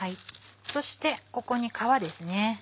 そしてここに皮です。